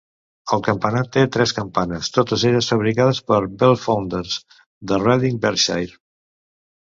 El campanar té tres campanes, totes elles fabricades per Bellfounders de Reading, Berkshire.